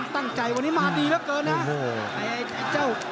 ตั้งใจวันนี้มาดีเหลือเกินนะ